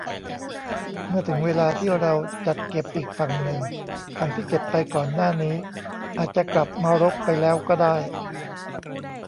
เมื่อถึงเวลาที่เราจัดเก็บอีกฝั่งหนึ่ง ฝั่งที่เก็บไปก่อนหน้านี้อาจจะกลับมารกไปแล้วก็ได้